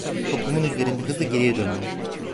Topuğumun üzerinde hızla geriye döndüm.